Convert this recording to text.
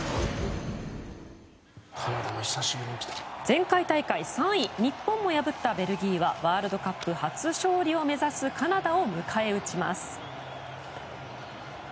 前回大会３位日本をも破ったベルギーはワールドカップ初勝利を目指すカナダを迎え撃ちます。